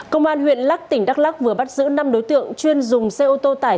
công an huyện lắc tỉnh đắk lắc vừa bắt giữ năm đối tượng chuyên dùng xe ô tô tải